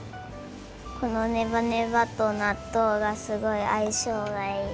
このネバネバとなっとうがすごいあいしょうがいい。